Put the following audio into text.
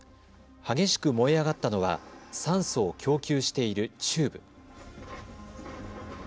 激しく燃え上がったのは酸素を供給しているチューブ。